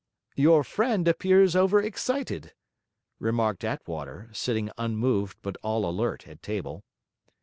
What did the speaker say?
'Your friend appears over excited,' remarked Attwater, sitting unmoved but all alert at table.